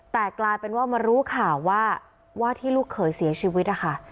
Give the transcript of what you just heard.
แต่กลายเป็นว่ามารู้ข่าวว่าว่าที่ลูกเขยเสียชีวิตนะคะ